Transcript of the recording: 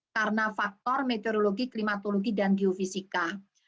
karena faktor meteorologi klimatologi dan geofisika